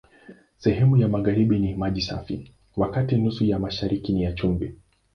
Sehemu ya magharibi ni maji safi, wakati nusu ya mashariki ni ya chumvi.